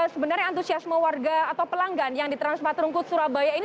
sebenarnya antusiasme warga atau pelanggan yang di transmat rungkut surabaya ini